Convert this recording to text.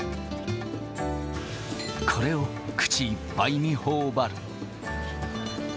これを口いっぱいにほおばる。